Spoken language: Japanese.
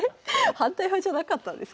反対派じゃなかったんですか？